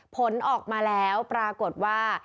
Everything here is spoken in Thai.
ผลออกมาแล้วปรากฏว่า